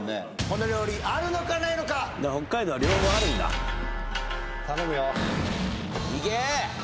この料理あるのかないのか北海道は両方あるんだ頼むよいけ！